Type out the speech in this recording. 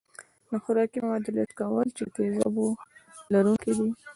د خوراکي موادو لست کول چې د تیزابونو لرونکي دي.